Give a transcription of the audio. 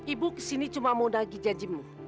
ibu kesini cuma mau nagi janjimu